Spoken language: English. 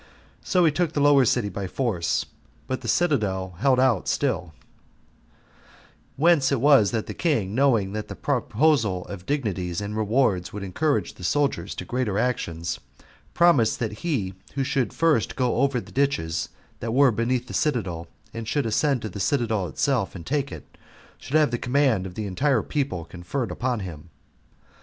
So he took the lower city by force, but the citadel held out still; 4 whence it was that the king, knowing that the proposal of dignities and rewards would encourage the soldiers to greater actions, promised that he who should first go over the ditches that were beneath the citadel, and should ascend to the citadel itself and take it, should have the command of the entire people conferred upon him.